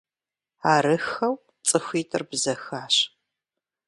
Арыххэу цӀыхуитӏыр бзэхащ.